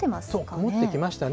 雲ってきましたね。